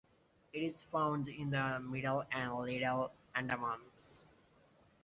It is found in the Middle and Little Andamans.